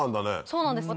そうなんです。